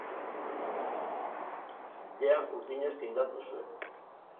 Ilea urdinez tindatu zuen.